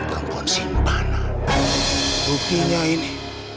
perempuan simpana buktinya ini